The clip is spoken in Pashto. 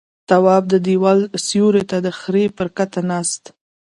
تواب د دېوال سيوري ته د خرې پر کته کېناست.